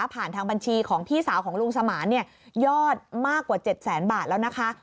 ทางบัญชีของพี่สาวของลุงสมานเนี่ยยอดมากกว่า๗แสนบาทแล้วนะคะ